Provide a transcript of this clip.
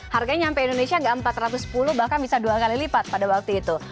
harganya sampai indonesia nggak empat ratus sepuluh bahkan bisa dua kali lipat pada waktu itu